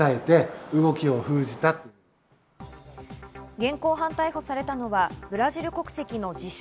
現行犯逮捕されたのは、ブラジル国籍の自称